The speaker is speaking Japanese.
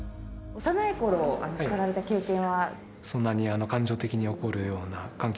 幼いころ叱られた経験は？